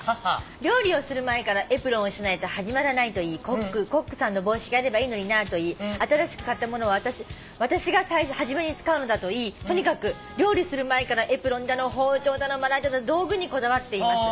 料理をする前からエプロンをしないと始まらないと言いコックさんの帽子があればいいのになと言い新しく買った物は私が初めに使うのだと言いとにかく料理する前からエプロンだの包丁だのまな板だの道具にこだわっています」